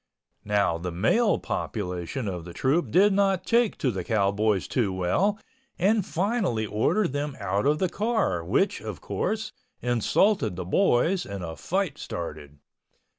Now the male population of the troupe did not take to the cowboys too well and finally ordered them out of the car which, of course, insulted the boys and a fight started.